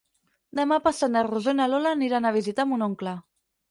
Demà passat na Rosó i na Lola aniran a visitar mon oncle.